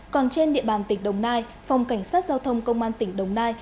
còn trên địa bàn tỉnh đồng nai phòng cảnh sát giao thông công an tỉnh đồng nai